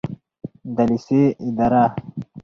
د لیسې اداره